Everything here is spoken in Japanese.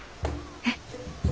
えっ？